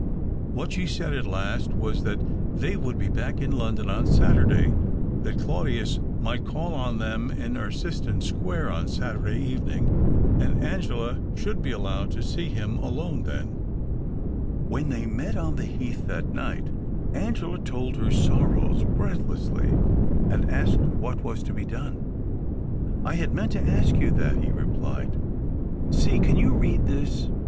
What she said at last was that they would be back in London on Saturday, that Claudius might call on them in Erciston Square on Saturday evening, and Angela should be allowed to see him alone then. When they met on the heath that night, Angela told her sorrows breathlessly, and asked what was to be done. " I had meant to ask you that," he replied. 270 THE OCTAVE OP CLAUDIUS. " See — can you read this